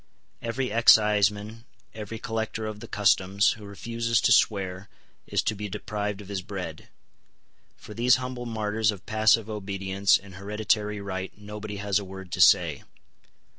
Every exciseman, every collector of the customs, who refuses to swear, is to be deprived of his bread. For these humble martyrs of passive obedience and hereditary right nobody has a word to say.